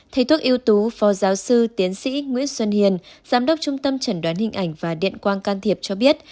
thầy thuốc yếu tố phò giáo sư tiến sĩ nguyễn xuân hiền giám đốc trung tâm chẩn đoán hình ảnh và điện quang can thiệp cho biết